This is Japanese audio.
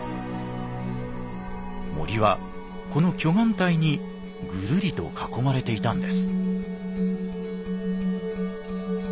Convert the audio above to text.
森はこの巨岩帯にぐるりと囲まれていたんです。